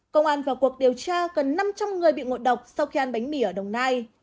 công an vào cuộc điều tra gần năm trăm linh người bị ngộ độc sau khi ăn bánh mì ở đồng nai